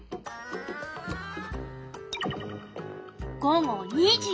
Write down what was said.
午後２時。